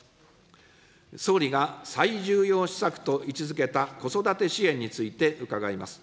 総理が最重要施策と位置づけた子育て支援について伺います。